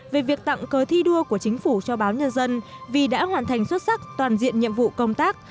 về việc tặng cớ thi đua của chính phủ cho báo nhân dân vì đã hoàn thành xuất sắc toàn diện nhiệm vụ công tác